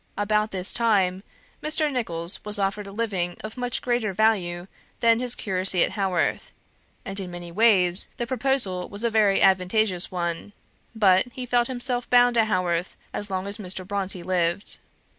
About this time, Mr. Nicholls was offered a living of much greater value than his curacy at Haworth, and in many ways the proposal was a very advantageous one; but he felt himself bound to Haworth as long as Mr. Brontë lived.